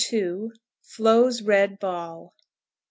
FLO'S RED BALL.